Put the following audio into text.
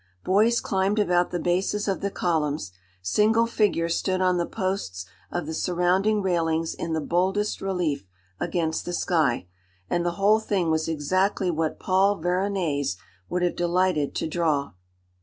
Boys climbed about the bases of the columns, single figures stood on the posts of the surrounding railings in the boldest relief against the sky, and the whole thing was exactly what Paul Veronese would have delighted to draw.